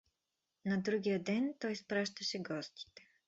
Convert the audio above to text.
На другия ден той изпращаше гостите.